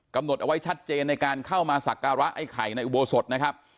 กำหนดเอาไว้ชัดเจนในการเข้ามาสักการะไอ้ไข่ในอุโบสถนะครับ